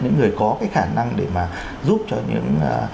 những người có cái khả năng để mà giúp cho những